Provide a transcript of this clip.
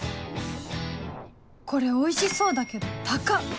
これおいしそうだけど高っ！